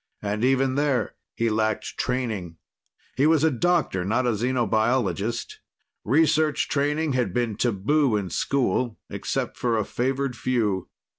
And even there, he lacked training. He was a doctor, not a xenobiologist. Research training had been taboo in school, except for a favored few.